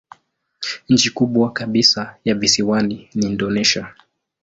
Nchi kubwa kabisa ya visiwani ni Indonesia.